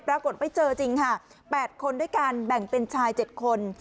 ปรากฏไม่เจอจริงค่ะ๘คนด้วยการแบ่งเป็นชาย๗คน